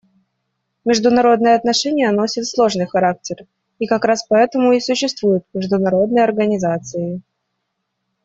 Международные отношения носят сложный характер, и как раз поэтому и существуют международные организации.